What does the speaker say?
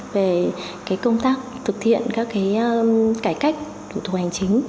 về công tác thực hiện các cải cách thủ tục hành chính